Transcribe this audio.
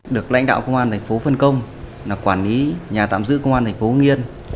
được lãnh đạo công an thành phố phân công quản lý nhà tạm giữ công an thành phố hưng yên